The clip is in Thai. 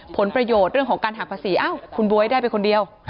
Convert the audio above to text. ผลประโยชน์เรื่องของการหักภาษีอ้าวคุณบ๊วยได้ไปคนเดียว